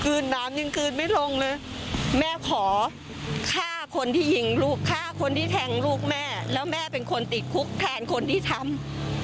น้ำยังคืนไม่ลงเลยแม่ขอฆ่าคนที่ยิงลูกฆ่าคนที่แทงลูกแม่แล้วแม่เป็นคนติดคุกแทนคนที่ทำ